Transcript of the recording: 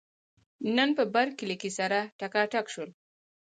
نن په برکلي کې سره ټکاټک شول.